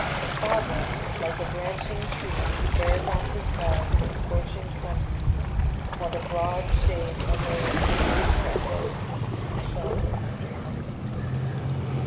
The sovereign, like a branching tree, bears on his head the scorching sunbeams, while the broad shade allays the fever of those who seek shelter under him.")